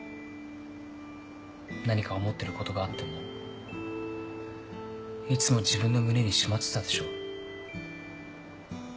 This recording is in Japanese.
何か思ってることがあってもいつも自分の胸にしまってたでしょ。